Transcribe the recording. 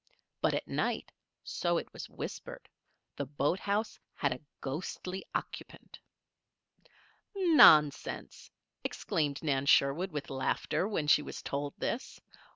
But at night, so it was whispered, the boathouse had a ghostly occupant. "Nonsense!" exclaimed Nan Sherwood, with laughter, when she was told this.